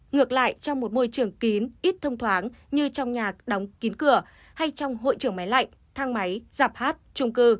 ngược lại trong một môi trường kín ít thông thoáng như trong nhạc đóng kín cửa hay trong hội trưởng máy lạnh thang máy giạp hát trung cư